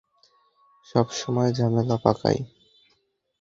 সবসময় ঝামেলা পাকায়।